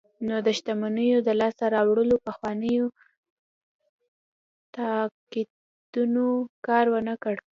نو د شتمنیو د لاسته راوړلو پخوانیو تاکتیکونو کار ورنکړ.